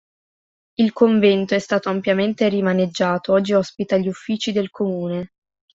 Il convento è stato ampiamente rimaneggiato, oggi ospita gli uffici del comune.